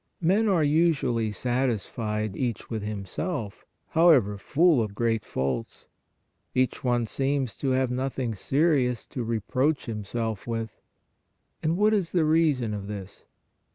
Men are usually satisfied each with himself, however full of great faults; each one seems to have nothing serious to reproach himself with. And what is the reason of this